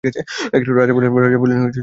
রাজা বলিলেন, মায়ের কাছে।